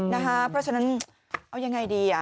เพราะฉะนั้นเอายังไงดี